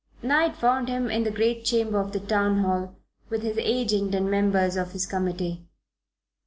Night found him in the great chamber of the Town Hall, with his agent and members of his committee.